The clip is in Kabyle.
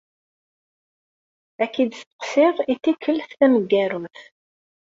Ad k-id-sseqsiɣ i tikelt tameggarut.